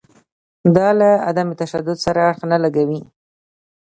دا له عدم تشدد سره اړخ نه لګوي.